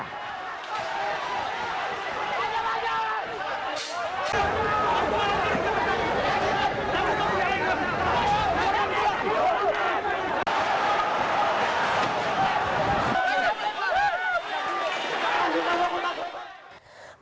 ketika mahasiswa menangkap mahasiswa mahasiswa menangkap mahasiswa